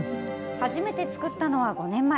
初めて作ったのは５年前。